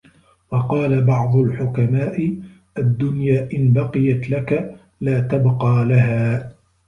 وَقَالَ بَعْضُ الْحُكَمَاءِ الدُّنْيَا إنْ بَقِيَتْ لَك لَا تَبْقَى لَهَا